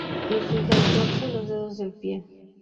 Irriga el dorso y los dedos del pie.